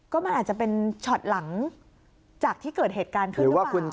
ก็มันอาจจะเป็นช็อตหลังจากที่เกิดเหตุการณ์ขึ้นหรือเปล่า